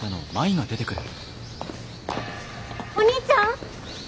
お兄ちゃん？